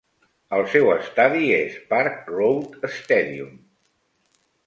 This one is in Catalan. El seu estadi és Park Road Stadium.